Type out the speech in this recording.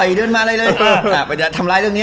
เลื่อนมาต่อยเลื่อนมาเรื่อย